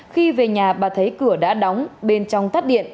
khi về nhà bà thấy cửa đã đóng bên trong tắt điện